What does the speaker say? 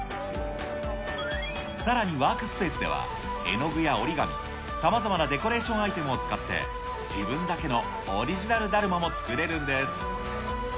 さらに、ワークスペースでは、絵の具や折り紙、さまざまなデコレーションアイテムを使って、自分だけのオリジナルだるまも作れるんです。